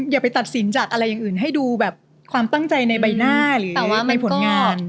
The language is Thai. อย่าไปตัดสินจากอะไรอย่างอื่นให้ดูแบบความตั้งใจในใบหน้าหรือว่าในผลงาน